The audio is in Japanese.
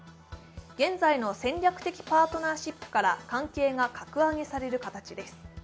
現在の戦略的パートナーシップから関係が格上げされる形です。